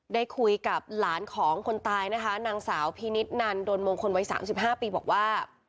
ได้คุยกับหลานของคนตายนะคะนางสาวพินิษฐนันโดนมงคลวัย๓๕ปีบอกว่า